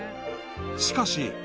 ［しかし］